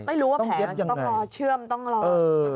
ไม่รู้ว่าแผลมันจะต้องรอเชื่อมต้องรอ